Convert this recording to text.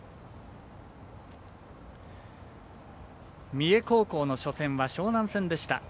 三重高校の初戦は樟南戦でした。